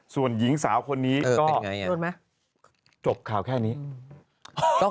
ส่วนหญิงสาวคนนี้ก็จบข่าวแค่นี้โอ้โฮเป็นยังไงโอ้โฮ